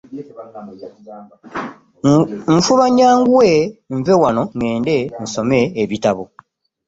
Nfuba nyanguwe nve wano ngende nsome ebitabo .